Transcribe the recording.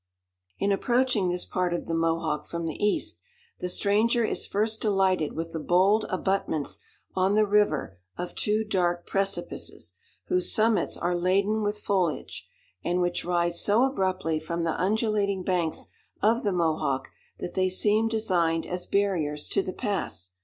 In approaching this part of the Mohawk from the east, the stranger is first delighted with the bold abutments on the river of two dark precipices, whose summits are laden with foliage, and which rise so abruptly from the undulating banks of the Mohawk, that they seem designed as barriers to the pass.